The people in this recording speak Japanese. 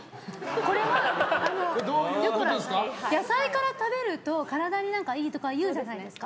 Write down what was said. これは、野菜から食べると体にいいとかいうじゃないですか。